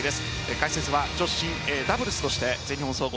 解説は女子ダブルスとして全日本総合